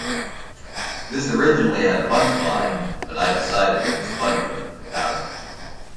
This originally had a punchline but I decided it was funnier without it.